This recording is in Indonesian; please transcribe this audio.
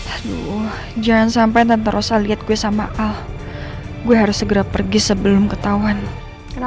aduh jangan sampai nanti usah lihat gue sama al gue harus segera pergi sebelum ketahuan kenapa